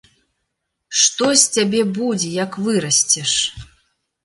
Што з цябе будзе, як вырасцеш?